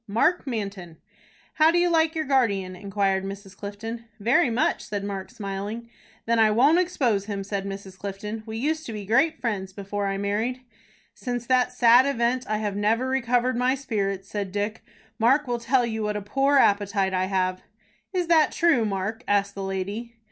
"Mark Manton." "How do you like your guardian?" inquired Mrs. Clifton. "Very much," said Mark, smiling. "Then I won't expose him," said Mrs. Clifton. "We used to be great friends before I married." "Since that sad event I have never recovered my spirits," said Dick. "Mark will tell you what a poor appetite I have." "Is that true, Mark?" asked the lady.